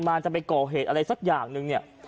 มาจำเป็นก่อเหตุอะไรสักอย่างหนึ่งเนี่ย